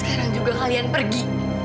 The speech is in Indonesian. sekarang juga kalian pergi